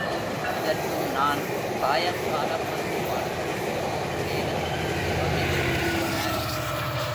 எதற்கும் நான் சாயங்காலம் வந்து பார்த்துவிட்டுப் போகிறேன் என்று சொல்லிவிட்டுப் போனார்.